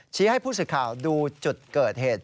ชี้ให้พูดสิทธิ์ข่าวดูจุดเกิดเหตุ